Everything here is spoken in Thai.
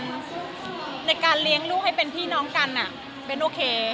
ในการเลี้ยงลูกให้เป็นพี่น้องกันเบ้นโอเค